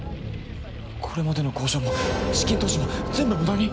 これまでの交渉も資金投資も全部ムダに！？